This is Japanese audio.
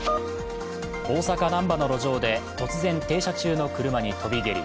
大阪・難波の路上で突然、停車中の車に跳び蹴り。